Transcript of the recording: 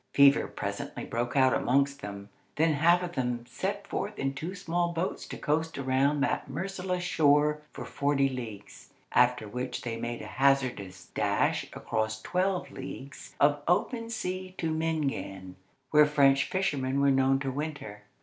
Fever presently broke out amongst them. Then half of them set forth in two small boats to coast around that merciless shore for forty leagues, after which they made a hazardous dash across twelve leagues of open sea to Mingan, where French fishermen were known to winter.